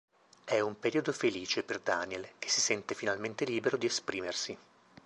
È un periodo felice per Daniel, che si sente finalmente libero di esprimersi.